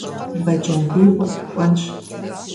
Бэджэндибгъу кӀуэнщ.